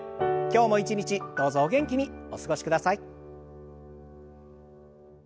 今日も一日どうぞお元気にお過ごしください。